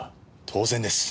当然です。